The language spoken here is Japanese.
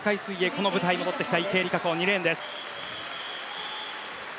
この舞台に戻ってきた池江璃花子２レーンです。